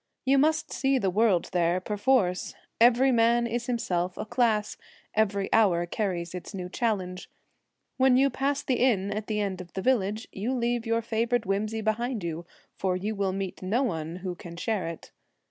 You must see the world there, perforce. Every man is himself a class ; every hour carries its new challenge. When you pass the inn at the end of the village you leave your favourite whimsy behind you ; for you will meet no one who can share it.